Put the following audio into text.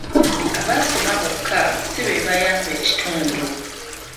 Abaasoma bokka si be bayamba ekitundu.